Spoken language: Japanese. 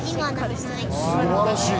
すばらしい！